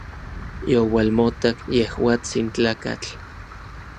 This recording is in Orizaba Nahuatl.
Youalmotak yejuatsin tlakatl.